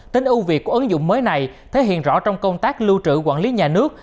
tính ưu việt của ứng dụng mới này thể hiện rõ trong công tác lưu trữ quản lý nhà nước